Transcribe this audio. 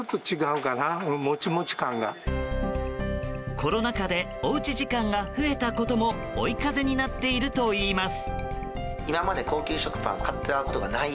コロナ禍でおうち時間が増えたことも追い風になっているといいます。